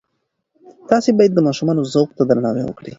تاسې باید د ماشومانو ذوق ته درناوی وکړئ.